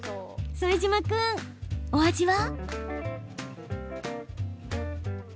副島君、お味は？